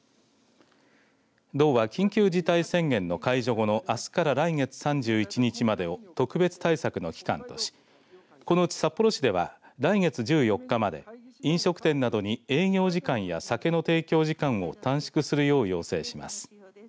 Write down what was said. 道は緊急事態宣言の解除後のあすから来月３１日までを特別対策の期間としこのうち札幌市では来月１４日まで飲食店などに営業時間や酒の提供時間を短縮するよう要請します。